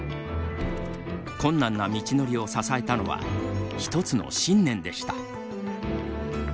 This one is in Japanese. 困難な道のりを支えたのはひとつの信念でした。